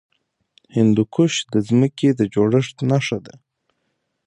هندوکش د ځمکې د جوړښت نښه ده.